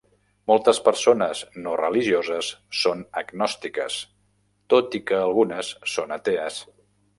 Moltes persones no religioses són agnòstiques, tot i que algunes són atees.